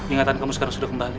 ingatan kamu sekarang sudah kembali